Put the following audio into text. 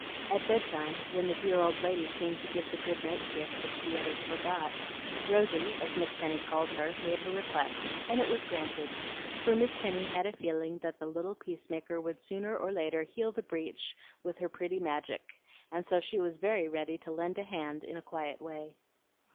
At bedtime, when the dear old lady came to give the good night kiss, which the others forgot, Rosy, as Miss Penny called her, made her request; and it was granted, for Miss Penny had a feeling that the little peacemaker would sooner or later heal the breach with her pretty magic, and so she was very ready to lend a hand in a quiet way.